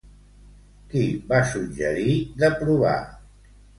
Qui va suggerir de provar?